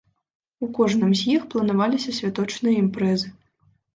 У кожным з іх планаваліся святочныя імпрэзы.